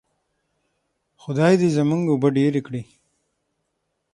خدای دې زموږ اوبه ډیرې کړي.